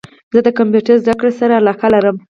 زه د کمپیوټرد زده کړي سره علاقه لرم